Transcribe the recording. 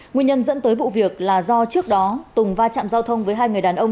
nguyên nhân dẫn tới vụ việc là do trước đó tùng va chạm giao thông với hai người đàn ông